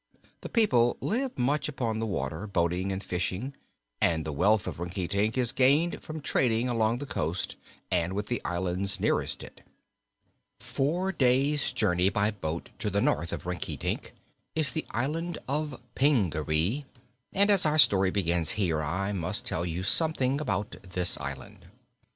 The people live much upon the water, boating and fishing, and the wealth of Rinkitink is gained from trading along the coast and with the islands nearest it. Four days' journey by boat to the north of Rinkitink is the Island of Pingaree, and as our story begins here I must tell you something about this island.